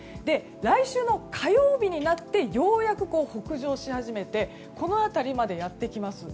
来週の火曜日になってようやく北上し始めてこの辺りまでやってきます。